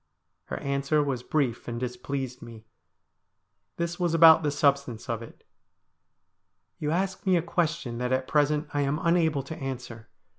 Her answer was brief and displeased me. This was about the substance of it :' You ask me a question that at present I am unable to answer.